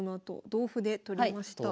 同歩で取りました。